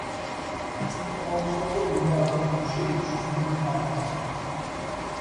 He also endowed the church at Ripon.